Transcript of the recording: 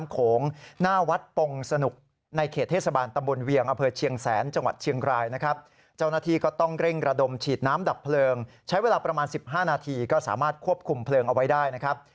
ควบคุมเพลิงเอาไว้ได้นะครับ